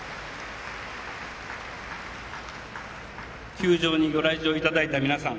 球場にご来場いただいた皆さん。